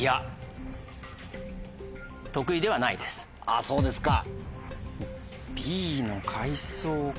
あっそうですか。